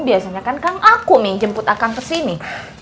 biasanya kan kang akung yang jemput akang kesini